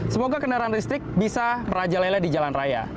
semoga kendaraan listrik bisa meraja lele di jalan raya